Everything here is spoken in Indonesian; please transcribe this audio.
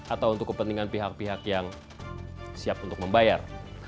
atau untuk kepentingan pihak pihak yang siap untuk membayar